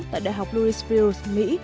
tại đại học louisville mỹ